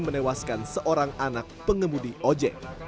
menewaskan seorang anak pengemudi ojek